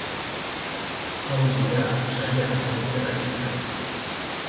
Hauek dira saria jaso duten artistak.